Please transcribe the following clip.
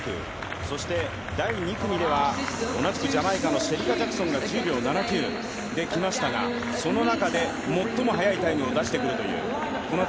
そして第２組では、ジャマイカのシェリカ・ジャクソンが１０秒７９できましたが、その中で最も速いタイムを出してくるという。